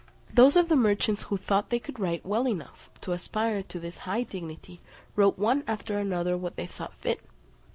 Those of the merchants who thought they could write well enough to aspire to this high dignity, wrote one after another what they thought fit.